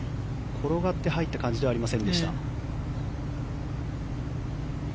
転がって入った感じではありませんでした。